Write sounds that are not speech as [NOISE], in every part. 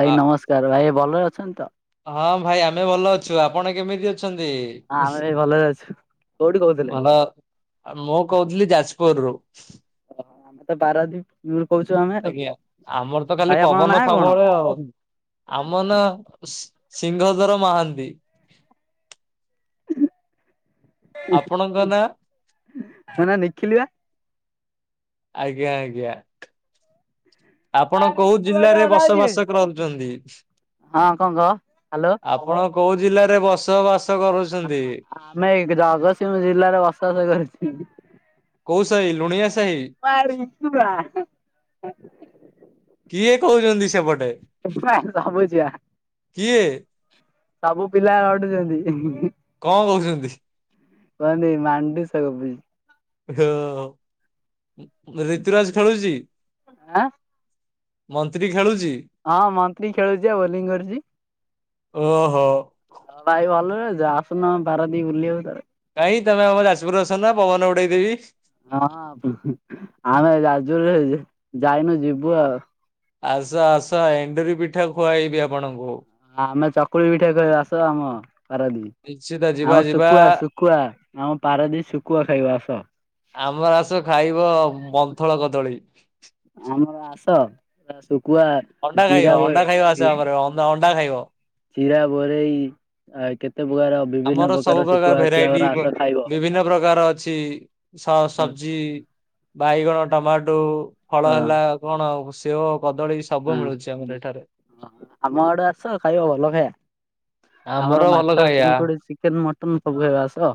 ଭାଇ ନମସ୍କାର ଭାଇ ଭଲରେ ଅଛନ୍ତି ତ? ହଁ ଭାଇ ଆମେ ଭଲ ଅଛୁ ଆପଣ କେମିତି ଅଛନ୍ତି? ହଁ ଆମେ ବି ଭଲରେ ଅଛୁ। କୋଉଠୁ କହୁଥିଲେ? ଭଲ ମୁଁ କହୁଥିଲି ଯାଜପୁରରୁୁ। [INAUDIBLE] ଆମେ ତ ପାରାଦୀପରୁ କହୁଛୁ ଆମେ ଆଜ୍ଞା। ଆମର ତ ଖାଲି ଭାଇ ଆପଣଙ୍କ ପବନ ନା କଣ? ସବୁବେଳେ ଆଉ ଆମ ନାଁ ସିଂହଦର ମହାନ୍ତି। ଆପଣଙ୍କ ନା? ହ ନା ନିଖିଲିଆ। ଆଜ୍ଞା ଆଜ୍ଞା। ଆପଣ କୋଉ ଜିଲ୍ଲାରେ ବସବାସ କରୁଚନ୍ତି? ହଁ କଣ କହ ହାଲୋ। ଆପଣ କୋଉ ଜିଲ୍ଲାରେ ବସବାସ କରୁଚନ୍ତି? ଆମେ ଏଇଠି ଜଗତସିଂହ ଜିଲ୍ଲାରେ ବସବାସ କରିଛନ୍ତି। କୋଉ ସାହି ଲୁଣିଆ ସାହି [UNINTELLIGIBLE] କିଏ କହୁଚନ୍ତି ସେପଟ ଭାବୁଚି ଆ କିଏ? ସବୁ ପିଲା ଅଟୁଚନ୍ତି। କଣ କହୁଚନ୍ତି? କହନ୍ତି ମାଣ୍ଡି ସଗ ହଁ ର ଋତୁରାଜ ଖେଳୁଚି? ଆଁ ମନ୍ତ୍ରୀ ଖେଳୁଚି? ହଁ ମନ୍ତ୍ରୀ ଖେଳୁଚି ବା ଆଉ ବୋଲିଂ କରୁଚି। ଓହୋ। ହଁ ଭାଇ ଭଲରେ ଆସୁନ ପାରାଦୀପ ବୁଲିବାକୁ ଥରେ। କାଇହିଁ ତମେ ଆମ ଯାଜପୁରରେ ଆସୁନ ପବନ ଉଡେଇଦବି। ହଁ ଆମେ ଯାଜପୁ ଯାଇନୁ ଯିବୁ ଆଉ। ଆସ ଆସ ଏଣ୍ଡୁରି ପିଠା ଖୁଆଇବି ଆପଣଙ୍କୁ। ଆମେ ଚକୁଳି ପିଠା ଖିବା ଆସ ଆମ ପାରାଦିପ। କିଛି ଟାରେ ଆମ ଶୁଖୁଆ ଶୁଖୁଆ ଆମ ପାରଦିପ ଶୁଖୁଆ ଖାଇବ ଆସ। ଆମର ଆସ ଖାଇବ ମନ୍ଥଳ କଦଳୀ। ଆମର ଆସ ଆ ଶୁଖୁଆ ଅଣ୍ଡା ଚିରା ଖାଇବ ବୋ ଅଣ୍ଡା ଖାଇବ ଆସ। ଆମର ଅଣ୍ଡା ଖାଇବ। ଚିରା ବୋରେଇ ଆ କେତେ ପ୍ରକାର ବିଭିନ୍ନ ଆମର ସବୁ ଶୁଖୁଆ ପ୍ରକାର ଅଛି ଆମର ଭେରାଇଟି ଆସ ବ ଖାଇବ। ବିଭିନ୍ନ ପ୍ରକାର ଅଛି। ସ ହଁ ସବଜି ବାଇଗଣ ଟମାଟୁ ଫଳ ହଁ ହେଲା। କଣ ଆଉ ସେଓ କଦଳୀ ସବୁ ମିଳୁଚି ଆମର ଏଠାରେ। ଓ ଆମ ଆଡେ ଆସ ଖାଇବ ଭଲ ଖାଇବା ଆମର ଭଲ ମାଛ ଖାଇବା ଚିଙ୍କୁଡି ସି ଚିକେନ ମଟନ ସବୁ ହେବା ଆସ।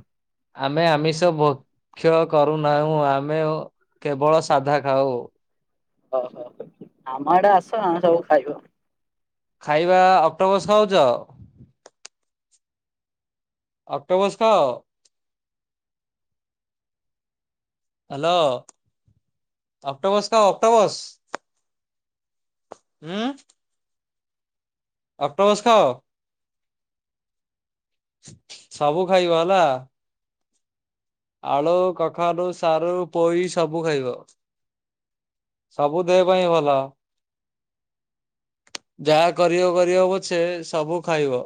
ଆମେ ଆମିଷ ଭକ୍ଷ କରୁନାହୁଁ ଆମେ କେବଳ ସାଧା ଖାଉ। ଓହୋ ଆମ ଆଡେ ଆସ ନା ସବୁ ଖାଇବ। ଖାଇବା ଅକ୍ଟୋପସ ଖାଉଚ? ଅକ୍ଟୋପସ ଖାଅ? ହାଲୋ ଅକ୍ଟୋପସ ଖାଅ ଅକ୍ଟୋପସ? ହୁଁ। ଅକ୍ଟୋପସ ଖାଅ? ସବୁ ଖାଇବ ହେଲା। ଆଳୁ, କଖାରୁ, ସାରୁ, ପୋଇ ସବୁ ଖାଇବ। ସବୁ ଦେହ ପାଇଁ ଭଲ। ଯାହା କରିବ କରିବ ପଛେ ସବୁ ଖାଇବ।